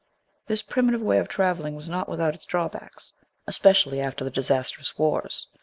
This primitive way of travelling was not without its drawbacks, especially after the disastrous wars.